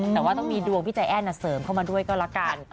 แต่ว่าต้องมีดวงพี่ใจแอ้นเสริมเข้ามาด้วยก็ละกัน